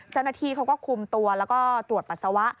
เจ้าหน้าที่เขาก็คุมตัวแล้วก็ตรวจปัสสาวะ